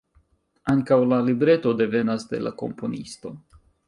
Ankaŭ la libreto devenas de la komponisto.